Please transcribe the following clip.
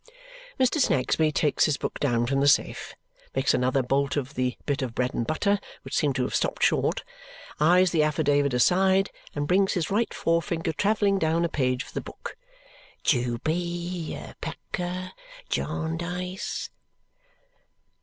Mr. Snagsby takes his book down from the safe, makes another bolt of the bit of bread and butter which seemed to have stopped short, eyes the affidavit aside, and brings his right forefinger travelling down a page of the book, "Jewby Packer Jarndyce."